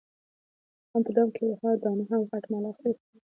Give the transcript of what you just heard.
هم په دام کي وه دانه هم غټ ملخ وو